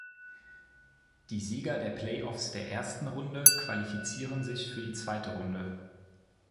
Die Sieger der Playoffs der "Ersten Runde" qualifizierten sich für die "Zweite Runde".